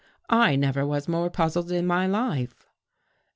" I never was more puzzled in my life."